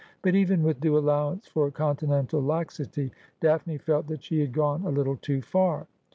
But, even with due allowance for Continental laxity, Daphne felt that she had gone a little too far.